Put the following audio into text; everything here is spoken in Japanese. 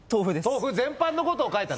豆腐全般のことを書いた？